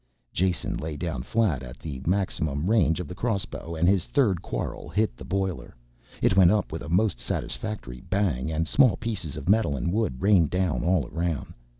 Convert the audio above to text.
Jason lay down flat at the maximum range of the crossbow and his third quarrel hit the boiler. It went up with a most satisfactory bang and small pieces of metal and wood rained down all around.